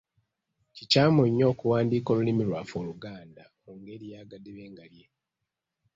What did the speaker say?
Kikyamu nnyo okuwandiika olulimi lwaffe Oluganda mu ngeri ya gadibengalye.